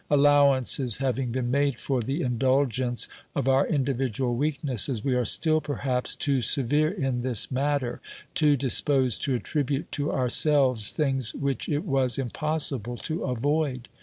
Allowances having been made for the indulgence of our individual weaknesses, we are still perhaps too severe in this matter, too disposed to attribute to our selves things which it was impossible to avoid.